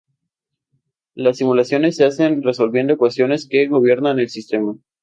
Las simulaciones se hacen resolviendo ecuaciones que gobiernan el sistema.